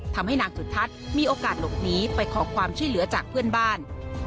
ทำให้นางสุทัศน์มีโอกาสหลบหนีไปขอความช่วยเหลือจากเพื่อนบ้าน